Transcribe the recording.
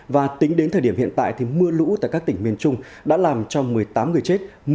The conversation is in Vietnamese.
và tính đến thời điểm hiện tại thì mưa lũ tại các tỉnh miền trung đã làm cho một mươi tám người chết